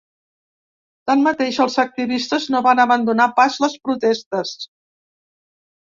Tanmateix, els activistes no van abandonar pas les protestes.